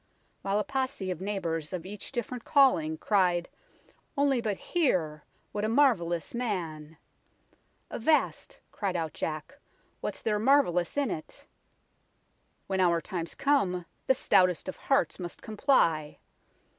While a posse of neighbours, of each diff'rent calling, Cried ' Only but hear ! what a marvellous man ;'' Avast !' cried out Jack, ' what's there marvellous in it ? When our time's come, the stoutest of hearts must comply.'